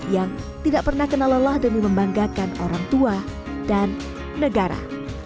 yang tidak pernah kena lelah demi membanggakan orang tua dan negara